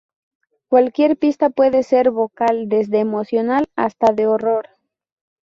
Cualquier pista puede ser vocal, desde emocional hasta de horror.